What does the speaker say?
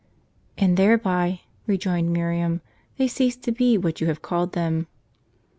" And thereby," rejoined Miriam, " they cease to be what you have called them."